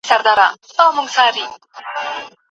ښوونه به ستاسو په ژوند کې د شعور او ادراک نوې دروازې پرانیزي.